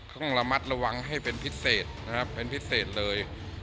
ต้องระมัดระวังให้เป็นพิเศษนะครับเป็นพิเศษเลย